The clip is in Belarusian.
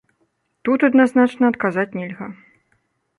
Тут адназначна адказаць нельга.